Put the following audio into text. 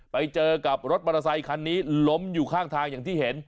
ไปเจอกับรถมอเตอร์ไซคันนี้ล้มอยู่ข้างทางอย่างที่เห็น